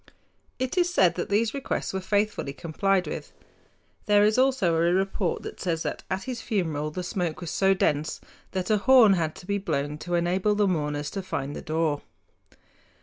It is said that these requests were faithfully complied with. There is also a report which says that at his funeral the smoke was so dense that a horn had to be blown to enable the mourners to find the door.